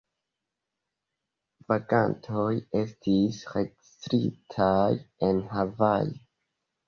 Vagantoj estis registritaj en Havajo.